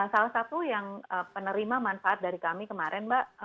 salah satu yang penerima manfaat dari kami kemarin mbak